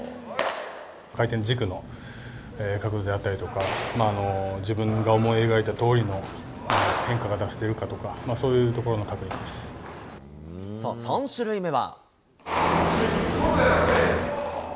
回転軸の角度であったりとか、自分が思い描いたとおりの変化が出せてるかとか、そういうところさあ、３種類目は。